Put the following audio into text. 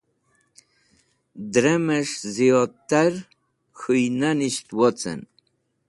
Drẽmẽs̃h ziyodatar k̃hũynanisht wocẽn.